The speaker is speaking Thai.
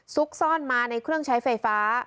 ซุกซ่อนมาในเครื่องใช้ไฟฟ้า